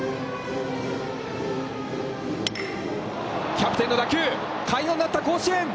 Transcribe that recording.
キャプテンの打球、快音鳴った甲子園。